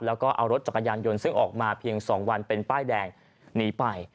แล้วก็เอารถจักรยานยนต์ซึ่งออกมาเพียง๒วันเป็นป้ายแดงหนีไป